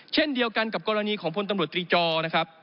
เช่นเดียวกันกับกรณีของพลตำรวจตรีจอนะครับ